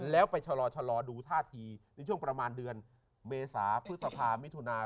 แล้วไปชะลอดูท่าทีในช่วงประมาณเดือนเมษาพฤษภามิถุนา